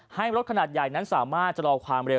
ให้รถขนาดใหญ่นั้นสามารถจะรอความเร็ว